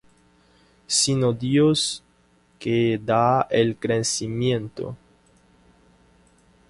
sino Dios, que da el crecimiento.